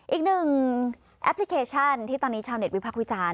อีกหนึ่งแอปพลิเคชันที่ตอนนี้ชาวเน็ตวิภาควิจารณ์